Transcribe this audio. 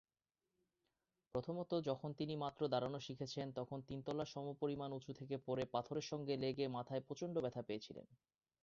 প্রথমত, যখন তিনি মাত্র দাঁড়ানো শিখেছেন তখন তিন তলার সমপরিমাণ উঁচু থেকে পড়ে পাথরের সঙ্গে লেগে মাথায় প্রচণ্ড ব্যথা পেয়েছিলেন।